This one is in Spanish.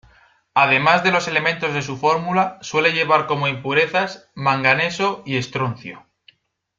Además de los elementos de su fórmula, suele llevar como impurezas: manganeso y estroncio.